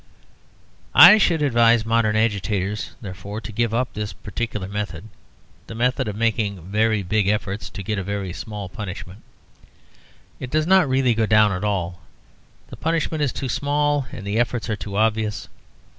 I should advise modern agitators, therefore, to give up this particular method: the method of making very big efforts to get a very small punishment. It does not really go down at all; the punishment is too small, and the efforts are too obvious.